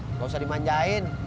nggak usah dimanjain